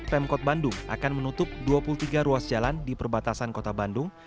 pemkot bandung akan menutup dua puluh tiga ruas jalan di perbatasan kota bandung